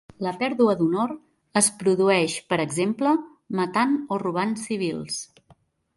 La pèrdua d'honor es produeix, per exemple, matant o robant civils.